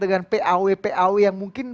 dengan paw paw yang mungkin